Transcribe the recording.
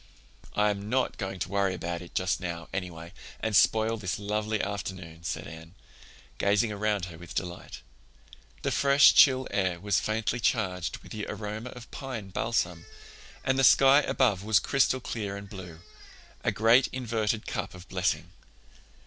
"I'm not going to worry about it just now, anyway, and spoil this lovely afternoon," said Anne, gazing around her with delight. The fresh chill air was faintly charged with the aroma of pine balsam, and the sky above was crystal clear and blue—a great inverted cup of blessing.